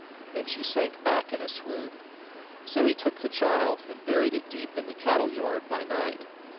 and she sank back in a swoon. So he took the child, and buried it deep in the cattle yard by night.